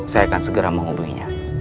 saya akan segera mau hubunginya